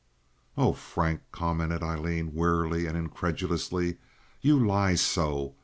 "Oh, Frank," commented Aileen, wearily and incredulously, "you lie so!